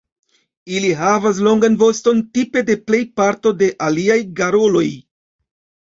Ili havas longan voston tipe de plej parto de aliaj garoloj.